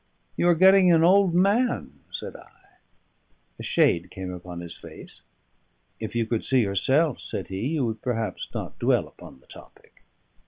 "You are getting an old man," said I. A shade came upon his face. "If you could see yourself," said he, "you would perhaps not dwell upon the topic."